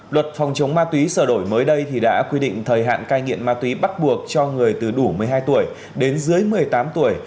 luật phòng chống ma túy sửa đổi mới đây đã quy định thời hạn cai nghiện ma túy bắt buộc cho người từ đủ một mươi hai tuổi đến dưới một mươi tám tuổi